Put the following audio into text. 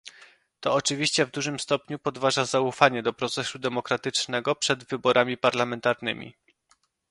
To oczywiście w dużym stopniu podważa zaufanie do procesu demokratycznego przed wyborami parlamentarnymi